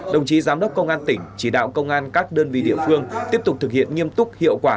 đồng chí giám đốc công an tỉnh chỉ đạo công an các đơn vị địa phương tiếp tục thực hiện nghiêm túc hiệu quả